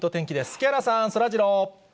木原さん、そらジロー。